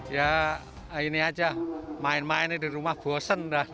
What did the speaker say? ya ini aja main main di rumah bosen